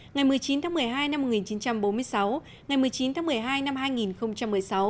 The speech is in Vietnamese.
ngày một mươi chín tháng một mươi hai năm một nghìn chín trăm bốn mươi sáu ngày một mươi chín tháng một mươi hai năm hai nghìn một mươi sáu